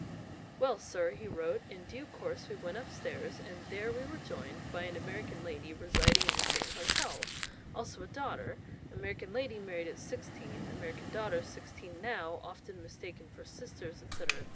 "Well, sir," he wrote, "in due course we went upstairs, and there we were joined by an American lady residing in the same hotel ... also a daughter ... American lady married at sixteen; American daughter sixteen now, often mistaken for sisters, &c. &c.